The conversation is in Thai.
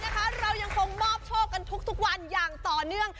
แน่นอนนะคะเรายังคงมอบโชคกันทุกวันอย่างต่อเนื่อง